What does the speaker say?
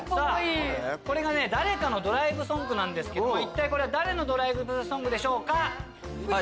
これが誰かのドライブソングなんですけども一体誰のドライブソングでしょうか？